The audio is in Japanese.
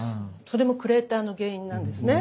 それもクレーターの原因なんですね。